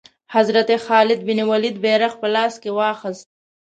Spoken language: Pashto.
حضرت خالد بن ولید بیرغ په لاس کې واخیست.